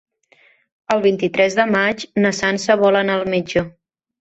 El vint-i-tres de maig na Sança vol anar al metge.